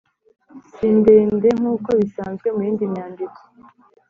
si ndende nkuko bisanzwe mu yindi myandiko